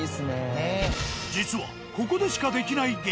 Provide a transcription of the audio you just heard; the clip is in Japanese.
実はここでしかできない激